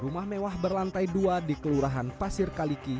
rumah mewah berlantai dua di kelurahan pasir kaliki